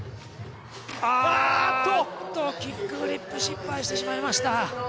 キックフリップ失敗してしまいました。